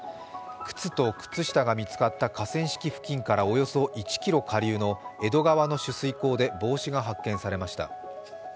靴と靴下が見つかった河川敷付近からおよそ１ｋｍ下流の江戸川の取水口で帽子が発見されました。